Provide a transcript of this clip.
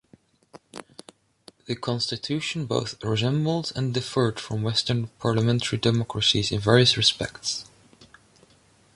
The constitution both resembled and differed from Western parliamentary democracies in various respects.